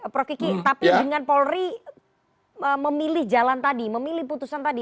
prof kiki tapi dengan polri memilih jalan tadi memilih putusan tadi